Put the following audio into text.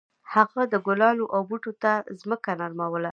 هغه د ګلانو او بوټو ته ځمکه نرموله.